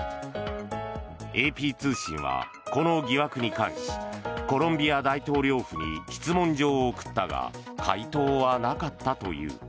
ＡＰ通信はこの疑惑に関しコロンビア大統領府に質問状を送ったが回答はなかったという。